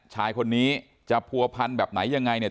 ชายคนนี้จะภูพันธ์แบบไหนยังไง